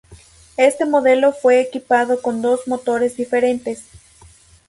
Este modelo fue equipado con dos motores diferentes.